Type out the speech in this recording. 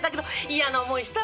嫌な思いしたわね。